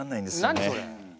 何それ。